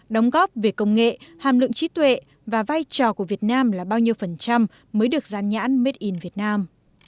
đóng góp về công nghệ hàm lượng trí tuệ và vai trò của việt nam là bao nhiêu phần trăm mới được dán nhãn made in việt nam